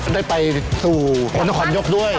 ได้ไปสู่คนนครยกด้วย